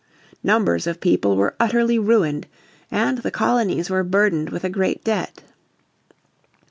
Numbers of people were utterly ruined and the colonies were burdened with a great debt.